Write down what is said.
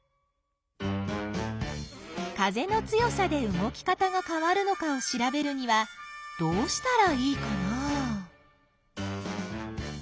風の強さで動き方がかわるのかをしらべるにはどうしたらいいかな？